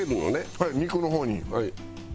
はい肉の方に。